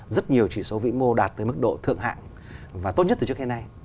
rất nhiều chỉ số vĩ mô đạt tới mức độ thượng hạng và tốt nhất từ trước đến nay